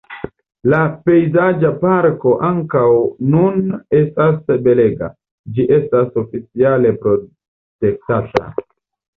La pejzaĝa parko ankaŭ nun estas belega, ĝi estas oficiale protektata.